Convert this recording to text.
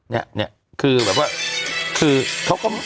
เนี่ยคือแบบว่า